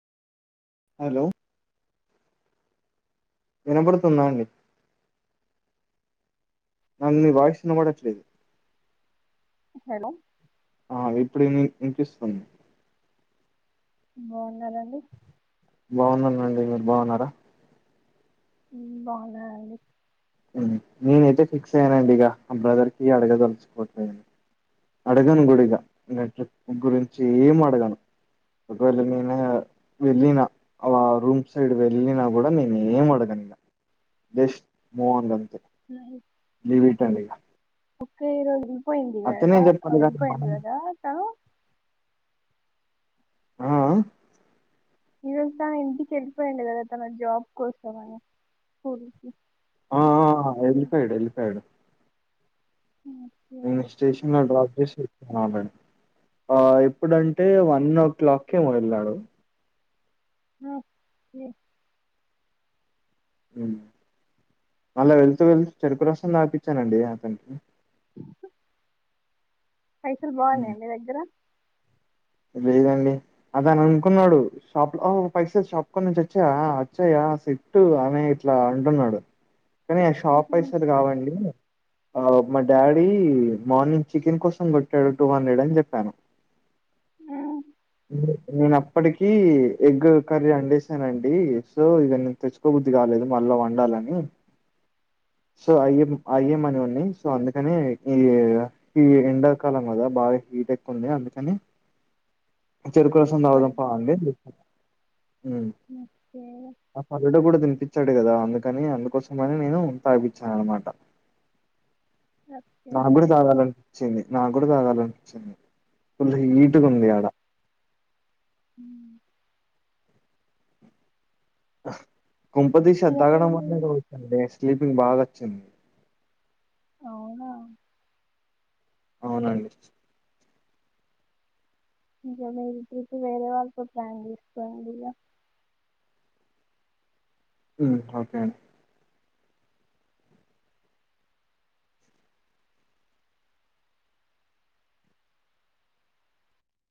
Hello వినబడుతుందా అండి నాంగ్ మీ వయిస్ నిన్నవాడచ్చలేదు హలో ఆ ఇప్పుడు ఇపి ఇస్తుంది బాగున్నండి బాగుందండి మీరు బాగున్నారా బాగున్నాండి నేనైతే ఫిక్స్ అయ్యానండి ఇక ఆ బ్రదర్ కి అడగదలచుకోట్లే అడగను కూడా ఇక ఇక ట్రిప్ గురించి ఏం అడగాను ఒకవేళ నేను వెళ్ళిన ఆ రూమ్ సైడ్ వెళ్ళిన కూడా నేను ఏం అడగను ఇ జస్ట్ మూంద గంత అయి వీటం ఒకక్కే ఇరోదు పోయిందిడి వదా చెప్పాలి ఇది కానీ పోయింది మనం వదా క ఆ ఈ రోజు తను ఎందుకి వెళ్ళిపోయాడు కదా తన జాబ్ కోసంని స్కూల్కి ఆ హలిఫైడ్ హలిఫైడ్ ఇ స్టేషన్డప్ మే ఎప్పుడంటే వన్ ఓ క్లాక్ే వెళ్ళాడు హ మళ్ళా వెళ్తూ వెళ్తూ చెడుకు రస్తుం అపించానండి అతనికి అ పైసలు హ్మ్. బాగుాలయం మీ దగ్గర లేదండి అద అని అనుకున్నాడు షాప్ ఒక పైస షాప్ నుంచి వచ్చాయా వచ్చాయా సెట్టు అనే ఇట్లా అంటున్నాడు కానీ ఆ షాప్ మ్మ్. వస్తుంది కావండి ఆ మా డాడీ మార్నింగ్ చికెన్ కోసం కొట్టాడు టూ హండ్రెడ్ అని చెప్పాను అ నేను అప్పటికి ఎగ్ కర్రీ వండేసానండి సో ఇక నేను తెచ్చుకోబుద్ది కాలేదు మళ్ళీ వండాలని సో అయం అయ్యమని ఉన్నా సో అందుకని ఈ ఎండాకాలం కదా బాగా హీట్ ఎక్కు ఉంది అందుకని చెరుకు రసం దాదాం తెచ్చుకోలేదా పావండి ఓకే ఆ పె కూడా ద వచ్చాడు కదా అందుకని అందుకోసమని నేను తాపించాను అనమాట ఓకే నాకు కూడా ఓకే చాల తగ వచ్చింది నాకు కూడా తగలనిపిచింది పు పట్టుకుంది ఆడ మ్మ్ ఆ కొంప తీసి ఆది ఇక మీరు తాగడం మీ వల్ల [unintelligible] స్లీపింగ్ బాగా వచ్చింది అవునా అవునండి ఇంకా మీరు ట్రిప్ వేరే వాళ్ళతో ప్లాన్ చేసుకోండి ఇక ఒకే అండి